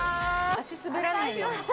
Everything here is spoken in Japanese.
足、滑らないように。